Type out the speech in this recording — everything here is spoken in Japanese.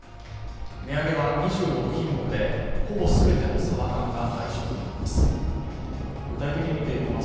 値上げは２６品目で、ほぼ全てのさば缶が対象となります。